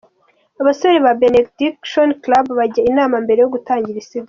Abasore ba Benediction Club bajya inama mbere yo gutangira isiganwa.